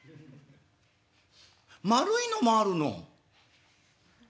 丸いのもあるの。